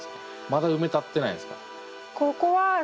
まだ埋め立ってないんすか？